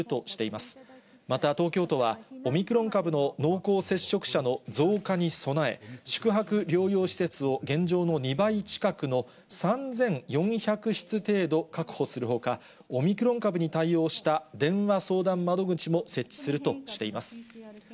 また東京都は、オミクロン株の濃厚接触者の増加に備え、宿泊療養施設を、現状の２倍近くの３４００室程度確保するほか、オミクロン株に対応した電話相談窓口も設置するとしています。